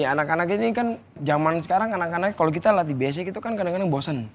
anak anak ini kan zaman sekarang kadang kadang kalau kita latih basic itu kan kadang kadang bosen